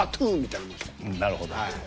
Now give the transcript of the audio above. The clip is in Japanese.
なるほど。